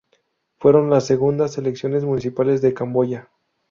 Fueron las segundas elecciones municipales de Camboya.